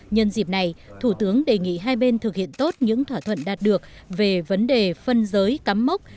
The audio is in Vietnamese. nhân dịp này thủ tướng đề nghị hai bên thực hiện tốt những thỏa thuận đạt được về vấn đề phân giới cắm mốc